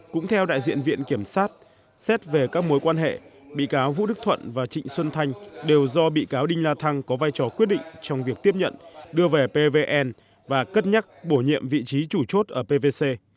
cũng theo đại diện viện kiểm sát xét về các mối quan hệ bị cáo vũ đức thuận và trịnh xuân thanh đều do bị cáo đinh la thăng có vai trò quyết định trong việc tiếp nhận đưa về pvn và cất nhắc bổ nhiệm vị trí chủ chốt ở pvc